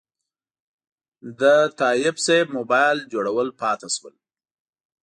د تایب صیب موبایل جوړول پاتې شول.